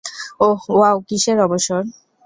ওহ, wow কিসের অবসর?